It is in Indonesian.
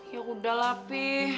ya udah lah opi